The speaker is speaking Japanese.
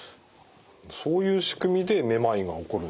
そういう仕組みでめまいが起こるんですね。